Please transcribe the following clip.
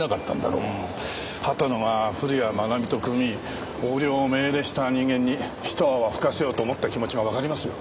畑野が古谷愛美と組み横領を命令した人間に一泡吹かせようと思った気持ちがわかりますよ。